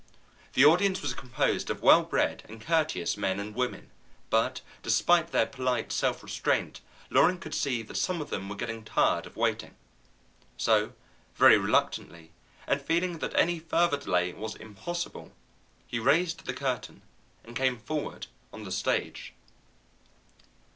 The audience was composed of well bred and courteous men and women, but despite their polite self restraint Loring could see that some of them were getting tired of waiting. So, very reluctantly, and feeling that further delay was impossible, he raised the curtain and came forward on the stage.